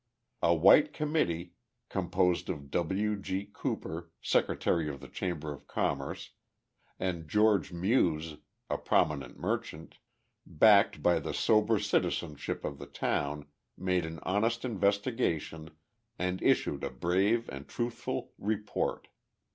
A white committee, composed of W. G. Cooper, Secretary of the Chamber of Commerce, and George Muse, a prominent merchant, backed by the sober citizenship of the town, made an honest investigation and issued a brave and truthful report.